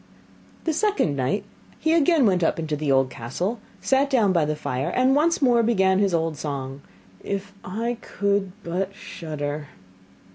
The second night he again went up into the old castle, sat down by the fire, and once more began his old song: 'If I could but shudder!